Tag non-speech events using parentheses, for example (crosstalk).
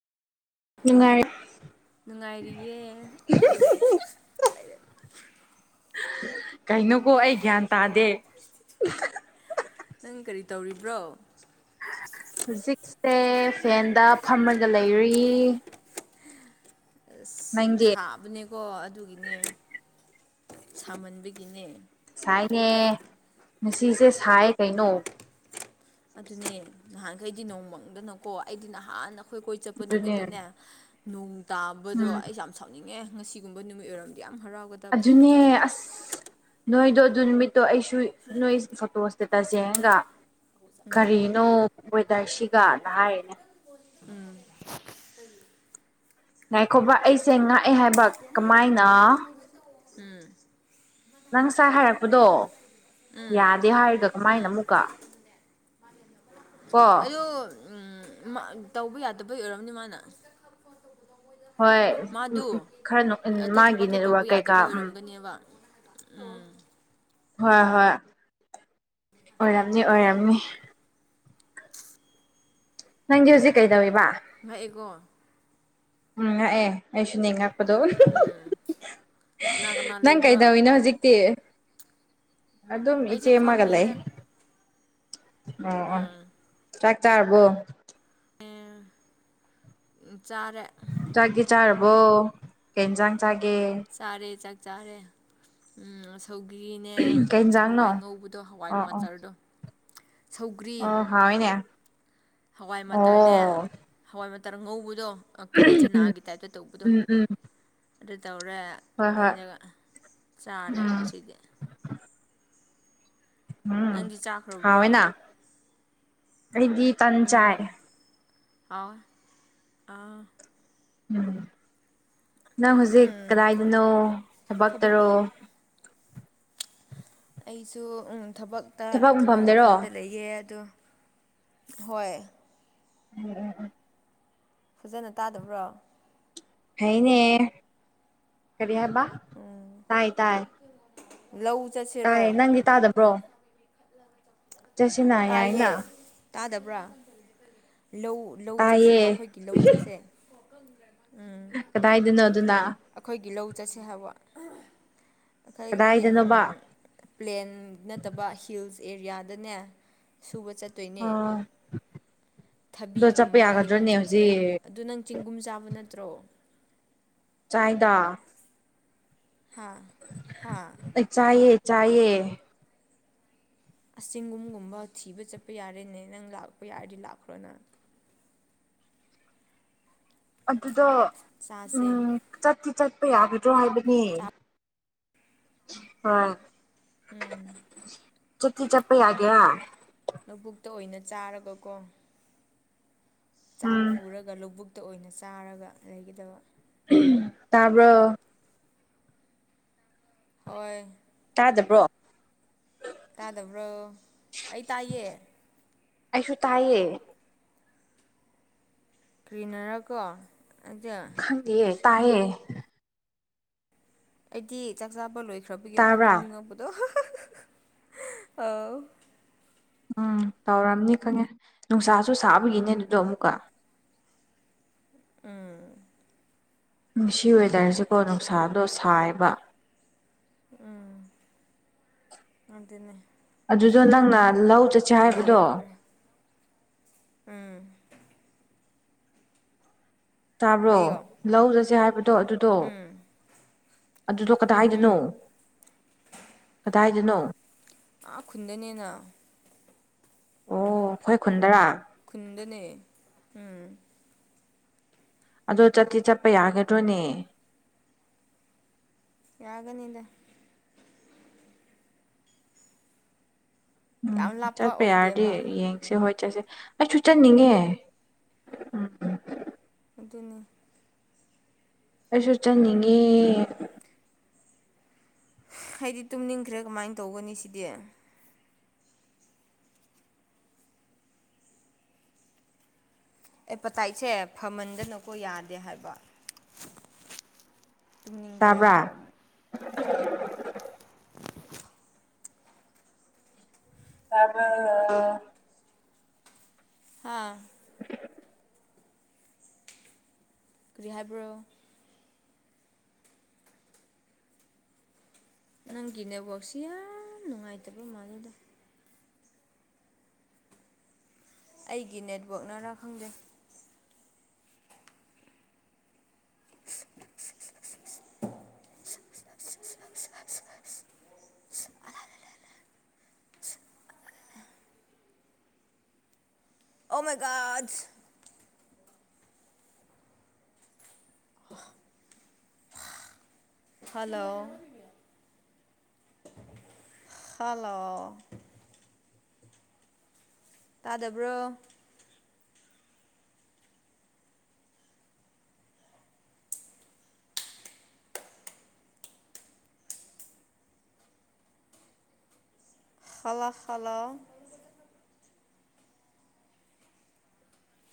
ꯅꯨꯡꯉꯥꯏꯔꯤ ꯅꯨꯡꯉꯥꯏꯔꯤꯌꯦ ꯀꯩꯅꯣꯀꯣ ꯑꯩ ꯒ꯭ꯌꯥꯟ ꯇꯥꯗꯦ ꯅꯪ ꯀꯔꯤ ꯇꯧꯔꯤꯕ꯭ꯔꯣ ꯍꯧꯖꯤꯛꯁꯦ ꯐꯦꯟꯗ ꯐꯝꯃꯒ ꯂꯩꯔꯤ ꯑꯁ ꯅꯪꯗꯤ ꯁꯥꯕꯅꯦꯀꯣ ꯑꯗꯨꯒꯤꯅꯦ ꯁꯥꯃꯟꯕꯒꯤꯅꯦ ꯁꯥꯏꯅꯦ ꯉꯁꯤꯁꯦ ꯁꯥꯏ ꯀꯩꯅꯣ ꯑꯗꯨꯅꯦ ꯅꯍꯥꯟꯈꯩꯗꯤ ꯅꯣꯡꯃꯪꯗꯅꯀꯣ ꯑꯩꯗꯤ ꯅꯍꯥꯟ ꯑꯩꯈꯣꯏ ꯀꯣꯏ ꯆꯠꯄ ꯑꯗꯨꯅꯦ ꯅꯨꯃꯤꯠꯇꯅꯦ ꯅꯣꯡ ꯇꯥꯕꯗꯣ ꯎꯝ ꯑꯩ ꯌꯥꯝ ꯁꯥꯎꯅꯤꯡꯉꯦ ꯉꯁꯤꯒꯨꯝꯕ ꯅꯨꯃꯤꯠ ꯑꯣꯏꯔꯝꯗꯤ ꯌꯥꯝ ꯍꯔꯥꯎꯒꯗ ꯑꯗꯨꯅꯦ ꯑꯁ ꯅꯣꯏꯗꯣ ꯑꯗꯨ ꯅꯨꯃꯤꯠꯇꯣ ꯑꯩꯁꯨ ꯅꯣꯏ ꯐꯣꯇꯣ ꯏꯁ ꯇꯁꯌꯦꯡꯉꯥꯒ ꯀꯔꯤꯅꯣ ꯋꯦꯗꯔꯁꯤꯒꯅ ꯍꯥꯏꯔꯤꯅꯦ ꯎꯝ (unintelligible) ꯉꯥꯏꯈꯣꯕ ꯑꯩꯁꯦ ꯉꯥꯛꯑꯦ ꯍꯥꯏꯕ ꯀꯃꯥꯏꯅ (unintelligible) ꯅꯪ ꯉꯁꯥꯏ ꯍꯥꯏꯔꯛꯄꯗꯣ ꯌꯥꯗꯦ ꯍꯥꯏꯔꯒ ꯀꯃꯥꯏꯅ ꯑꯃꯨꯛꯀ ꯀꯣ ꯑꯗꯣ ꯎꯝ ꯇꯧꯕ ꯌꯥꯗꯕꯩ ꯑꯣꯏꯔꯝꯅꯤ ꯃꯥꯅ ꯍꯣꯏ ꯃꯥꯗꯨ ꯈꯔ ꯑꯗꯨ ꯃꯥꯒꯤ ꯊꯕꯛꯇꯣ ꯇꯧꯕ ꯅꯦꯠꯋꯥꯔꯛ ꯀꯩꯀꯥ ꯌꯥꯗꯕ ꯎꯝ ꯑꯣꯏꯔꯝꯒꯅꯦꯕ ꯍꯣꯏ ꯍꯣꯏ ꯑꯣꯏꯔꯝꯅꯤ ꯑꯣꯏꯔꯝꯃꯤ ꯅꯪꯗꯤ ꯍꯧꯖꯤꯛ ꯀꯩꯗꯧꯏꯕ ꯉꯛꯏꯀꯣ ꯎꯝ ꯉꯥꯛꯑꯦ ꯑꯩꯁꯨꯅꯤ ꯉꯛ ꯍꯗꯣ ꯀꯅꯥ ꯀꯅꯥ (unintelligible) ꯅꯪ ꯂꯩꯕ꯭ꯔꯣ ꯀꯩꯗꯧꯏꯤꯅꯣ ꯍꯧꯖꯤꯛꯇꯤ ꯑꯗꯨꯝ ꯏꯆꯦ ꯑꯩꯁꯨ ꯑꯃꯒ ꯂꯩ ꯐꯝꯃꯤꯗ ꯑꯣ ꯑꯣ ꯑꯥ ꯆꯥꯛꯆꯥꯔꯕꯣ ꯎꯝ ꯆꯥꯔꯦ ꯆꯥꯛꯇꯤ ꯆꯥꯔꯕꯣ ꯀꯩ ꯌꯦꯟꯁꯥꯡ ꯆꯥꯒꯦ ꯆꯥꯔꯦ ꯆꯥꯛ ꯆꯥꯔꯦ ꯎꯝ ꯁꯧꯒ꯭ꯔꯤꯅꯦ ꯀꯩ ꯏꯟꯖꯥꯡꯅꯣ ꯍꯋꯥꯏ ꯉꯧꯕꯗꯣ ꯍꯋꯥꯏ ꯑꯣ ꯑꯣ ꯃꯆꯔꯗꯣ ꯁꯧꯒ꯭ꯔꯤ ꯍꯥꯎꯏꯅꯦ ꯍꯋꯥꯏ ꯃꯠꯇꯔꯅꯦ ꯍꯋꯥꯏ ꯃꯇꯔ ꯉꯧꯕꯗꯣ ꯀꯦꯂꯤꯆꯅꯥꯒꯤ ꯇꯥꯏꯞꯇ ꯇꯧꯕꯗꯣ ꯎꯝ ꯎꯝ ꯑꯗꯨ ꯇꯧꯔꯦ ꯍꯣꯏ ꯍꯣꯏ ꯑꯗꯨꯒ ꯆꯥꯔꯦ ꯎꯝ ꯉꯁꯤꯗꯤ ꯎꯝ ꯅꯪꯗꯤ ꯆꯥꯈ꯭ꯔꯕ꯭ꯔꯣ ꯍꯥꯎꯋꯦꯅ ꯑꯩꯗꯤ ꯇꯟ ꯆꯥꯏ ꯍꯧ ꯑꯦ ꯎꯝ ꯅꯪ ꯍꯧꯖꯤꯛ ꯀꯗꯥꯏꯗꯅꯣ ꯊꯕꯛ ꯊꯕꯛꯇꯔꯣ ꯑꯩꯁꯨ ꯎꯝ ꯊꯕꯛꯇ ꯊꯕꯛ ꯃꯐꯝꯗ ꯂꯩ ꯑꯦ ꯑꯗꯣ ꯍꯣꯏ ꯎꯝ ꯎꯝ ꯎꯝ ꯐꯖꯅ ꯇꯥꯗꯕ꯭ꯔꯣ ꯍꯥꯏꯅꯦ ꯀꯔꯤ ꯍꯥꯏꯕꯥ ꯇꯥꯏ ꯇꯥꯏ ꯂꯧ ꯆꯠꯁꯦ ꯇꯥꯏꯌꯦ ꯅꯪꯗꯤ ꯇꯥꯗꯕ꯭ꯔꯣ ꯆꯠꯁꯤꯅ ꯇꯥꯏꯌꯦ ꯌꯥꯏꯅ ꯇꯥꯗꯕ꯭ꯔꯥ ꯂꯧ ꯂꯧ ꯇꯥꯏꯌꯦ ꯆꯠꯁꯤꯔꯣ ꯑꯩꯈꯣꯏꯒꯤ ꯂꯧ ꯆꯠꯁꯦ ꯀꯗꯥꯏꯗꯅꯣ ꯑꯗꯨꯅ ꯑꯩꯈꯣꯏꯒꯤ ꯂꯧ ꯆꯠꯁꯦ ꯍꯥꯏꯕ ꯑꯩꯈꯣꯏꯒꯤ ꯎꯝ ꯀꯗꯥꯏꯗꯅꯣꯕ ꯄ꯭ꯂꯦꯟ ꯅꯠꯇꯕ ꯍꯤꯜꯁ ꯑꯦꯔꯤꯌꯥꯗꯅꯦ ꯁꯨꯕ ꯆꯠꯇꯣꯏꯅꯦ ꯑꯣ ꯑꯗꯣ ꯆꯠꯄ ꯊꯕꯤꯒꯨꯝꯕ ꯍꯦꯛꯄ ꯌꯥꯒꯗ꯭ꯔꯅꯦ ꯆꯠꯁꯦ ꯍꯧꯖꯤꯛ ꯑꯗꯨ ꯅꯪ ꯆꯤꯡꯒꯨꯝ ꯆꯥꯕ ꯅꯠꯇ꯭ꯔꯣ ꯆꯥꯏꯗꯥ ꯍꯥꯥ ꯍꯥꯥ ꯑꯩ ꯆꯥꯏꯌꯦ ꯆꯥꯏꯌꯦ ꯑꯁ ꯆꯤꯡꯒꯨꯝꯒꯨꯝꯕ ꯊꯤꯕ ꯆꯠꯄ ꯌꯥꯔꯦꯅꯦ ꯅꯪ ꯂꯥꯛꯄ ꯌꯥꯔꯗꯤ ꯂꯥꯛꯈ꯭ꯔꯣꯅꯪ ꯑꯗꯨꯗꯣ ꯆꯥꯁꯦ ꯎꯝ ꯆꯠꯇꯠꯇꯤ ꯆꯠꯄ ꯌꯥꯒꯗ꯭ꯔꯣ ꯍꯥꯏꯕꯅꯤ ꯆꯥꯛ (unintelligible) ꯎꯝ꯫ ꯆꯠꯇꯤ ꯆꯞꯄ ꯌꯥꯒꯦꯌꯥ ꯂꯧ-ꯕꯨꯛꯇ ꯑꯣꯏꯅ ꯆꯥꯔꯒꯀꯣ ꯆꯥꯛ ꯎꯝ ꯄꯨꯔꯒ ꯂꯧ-ꯕꯨꯛꯇ ꯑꯣꯏꯅ ꯆꯥꯔꯒ ꯂꯩꯒꯗꯕ ꯎꯝ ꯇꯥꯕ꯭ꯔꫭ ꯍꯣꯏ꯫ ꯇꯥꯗꯕ꯭ꯔꯣ ꯇꯥꯗꯕ꯭ꯔꯣ ꯑꯩ ꯇꯥꯏꯌꯦ ꯑꯩꯁꯨ ꯇꯥꯏꯌꯦ ꯀ꯭ꯔꯤꯅꯔꯀꯣ ꯑꯗꫭ ꯌꯦ ꯇꯥꯏꯌꯦ ꯑꯩꯗꯤ ꯆꯥꯛ ꯆꯥꯕ ꯂꯣꯏꯈ꯭ꯔꯕꯒꯤ ꯑꯃꯨꯛ ꯇꯥꯕ꯭ꯔꯥ ꯇꯨꯝꯅꯤꯡꯉꯛꯄꯗꯣ ꯎꯝ ꯇꯧꯔꯝꯅꯤ ꯈꯪꯉꯦ ꯅꯨꯡꯁꯥꯁꯨ ꯁꯥꯕꯒꯤꯅꯦ ꯑꯗꯨꯗꯣ ꯑꯃꯨꯛꯀ ꯎꯝ꯫ ꯉꯁꯤ ꯋꯦꯗ꯭ꯔꯁꯤꯀꯣ ꯅꯨꯡꯁꯥꯗꯣ ꯁꯥꯏꯌꯦꯕ ꯎꯝ ꯑꯗꯨꯅꯦ ꯑꯗꯨꯗꯣ ꯅꯪꯅ ꯂꯧ ꯆꯠ ꯂꯧꯔꯈ꯭ꯔꯦ ꯎꯝ ꯇꯥꯕ꯭ꯔꯣ ꯍꯥꯏꯌꯣ ꯂꯧ ꯆꯠꯁꯦ ꯍꯥꯏꯕꯗꯣ ꯑꯗꯨꯗꯣ ꯑꯗꯨꯗꯣ ꯀꯗꯥꯏꯗꯅꯣ ꯎꯝ ꯀꯗꯥꯏꯗꯅꯣ ꯑꯥ ꯈꯨꯟꯗꯅꯦꯅ ꯑꯣ ꯑꯩꯈꯣꯏ ꯈꯨꯟꯗꯔꯥ ꯈꯨꯟꯗꯅꯦ ꯎꯝ ꯑꯗꯣ ꯆꯠꯇꯤ ꯆꯠꯄ ꯌꯥꯒꯗꯣꯅꯦ ꯌꯥꯒꯅꯤꯗ ꯎꯝ ꯌꯥꯝ ꯂꯥꯞꯄ ꯆꯠꯄ ꯌꯥꯔꯗꯤ ꯑꯣꯏꯗꯦꯕ ꯌꯦꯡꯁꯦ ꯍꯣꯏ ꯆꯠꯁꯦ ꯑꯩꯁꯨ ꯆꯠꯅꯤꯡꯉꯦ ꯎꯝ ꯎꯝ ꯑꯗꯨꯅꯤ ꯑꯩꯁꯨ ꯆꯠꯅꯤꯡꯉꯦ ꯑꯩꯗꯤ ꯇꯨꯝꯅꯤꯡꯈ꯭ꯔꯦ ꯀꯃꯥꯏꯅ ꯇꯧꯒꯅꯤ ꯁꯤꯗꯤ ꯑꯦꯄꯇꯥꯏꯠꯁꯦ ꯐꯃꯟꯗꯅꯀꯣ ꯌꯥꯗꯦ ꯍꯥꯏꯕ ꯇꯨꯝꯅꯤꯡꯈ꯭ꯔꯦ ꯇꯥꯕ꯭ꯔꯥ ꯍꯥꯏꯕ ꯑꯃꯨꯛ ꯇꯥꯕ꯭ꯔꯥ ꯇꯥꯕ꯭ꯔꯥ ꯍꯥꯥ ꯀꯔꯤ ꯍꯥꯏꯕ꯭ꯔꯣ ꯅꯪꯒꯤ ꯅꯦꯠꯋꯥꯛꯁꯤ ꯌꯥꯝ ꯅꯨꯡꯉꯥꯏꯇꯕ ꯃꯥꯜꯂꯦꯗ ꯑꯩꯒꯤ ꯅꯦꯠꯋꯥꯛꯅꯔꯥ ꯈꯪꯗꯦ ꯑꯣ ꯃꯥꯏ ꯒꫭꯠ ꯍꯜꯂꯣ ꯍꯜꯂꯣ ꯇꯥꯗꯕ꯭ꯔꯣ ꯍꯜꯂꫭ ꯍꯜꯂꯣ